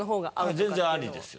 全然ありですよ。